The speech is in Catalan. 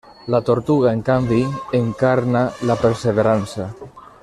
La tortuga, en canvi, encarna la perseverança.